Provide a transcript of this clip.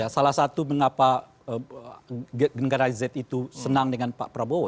salah satu mengapa generasi z itu senang dengan pak prabowo